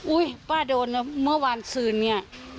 อุ๊ยป้าโดนเมื่อวานสืนนี่